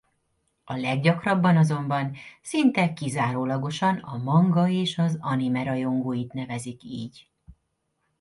A leggyakrabban azonban szinte kizárólagosan a manga és az anime rajongóit nevezik így.